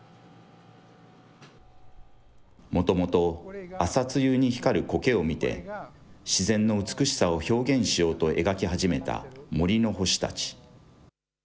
もともと朝露に光るこけを見て、自然の美しさを表現しようと描き始めた森の星たち。